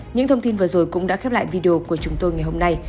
những thông tin vừa rồi cũng đã khép lại video của chúng tôi ngày hôm nay